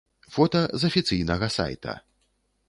Фота з афіцыйнага сайта.